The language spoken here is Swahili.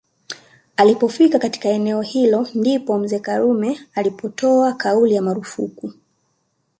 Alipofika katika eneo hilo ndipo mzee Karume alipotoa kauli ya marufuku